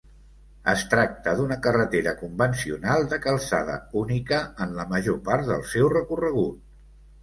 Es tracta d'una carretera convencional de calçada única en la major part del seu recorregut.